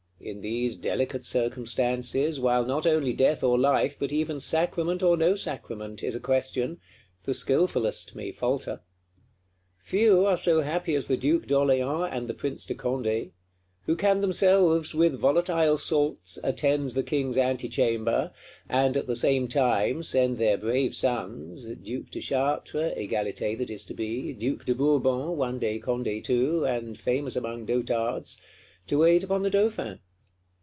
In these delicate circumstances, while not only death or life, but even sacrament or no sacrament, is a question, the skilfulest may falter. Few are so happy as the Duke d'Orléans and the Prince de Condé; who can themselves, with volatile salts, attend the King's ante chamber; and, at the same time, send their brave sons (Duke de Chartres, Egalité that is to be; Duke de Bourbon, one day Condé too, and famous among Dotards) to wait upon the Dauphin.